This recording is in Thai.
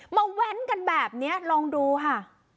แว้นกันแบบนี้ลองดูค่ะ